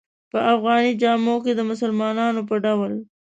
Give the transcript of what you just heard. په افغاني جامو کې د مسلمانانو په ډول.